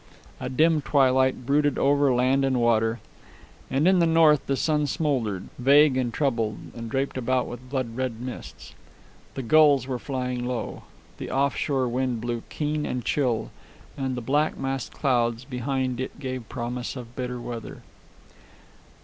A dim twilight brooded over land and water, and in the north the sun smouldered, vague and troubled, and draped about with blood red mists. The gulls were flying low. The off shore wind blew keen and chill, and the black massed clouds behind it gave promise of bitter weather.